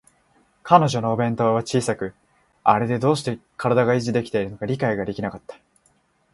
彼女のお弁当箱は小さく、あれでどうして身体が維持できるのか理解できなかった